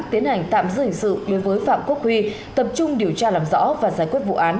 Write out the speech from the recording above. tiến hành tạm giữ hình sự đối với phạm quốc huy tập trung điều tra làm rõ và giải quyết vụ án